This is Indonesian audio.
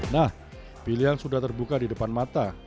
nah pilihan sudah terbuka di depan mata